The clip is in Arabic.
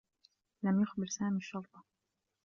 لم يخبر سامي الشّرطة.